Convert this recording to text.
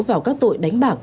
vào các tội đánh bạc